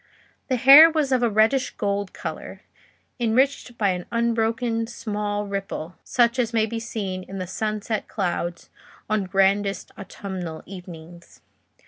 The hair was of a reddish gold colour, enriched by an unbroken small ripple, such as may be seen in the sunset clouds on grandest autumnal evenings.